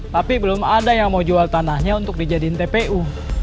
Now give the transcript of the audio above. tapi belum ada yang mau jual tanahnya untuk dijadikan tpu